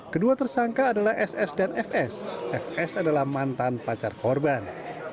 kedua tersangka adalah ss dan fs fs adalah mantan pacar korban